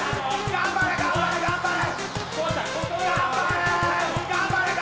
頑張れ頑張れ頑張れ！